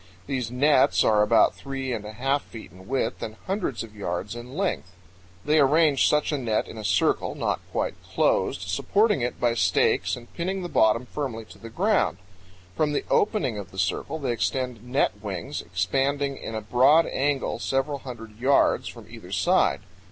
These nets are about three and a half feet in width and hundreds of yards in length. They arrange powell canyons 65.jpg ANTINAINTS, PUTUSIV, AND WICHUTS, IN FESTAL DRESS. such a net in a circle, not quite closed, supporting it by stakes and pinning the bottom firmly to the ground. From the opening of the circle they extend net wings, expanding in a broad angle several hundred yards from either side.